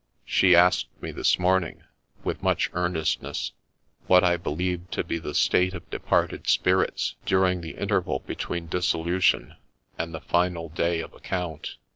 — She asked me this morning, with much earnestness, " What I believed to be the state of departed spirits during the interval between dissolution and the final day of account